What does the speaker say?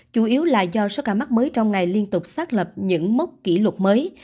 chủ yếu là do số ca mắc mới trong ngày liên tục xác lập những mốc kỷ lục mới